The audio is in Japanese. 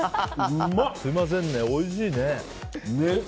すみませんね、おいしいね。